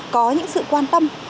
có những sự quan tâm